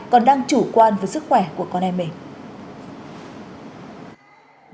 còn đang chủ quan với sức khỏe của con em mình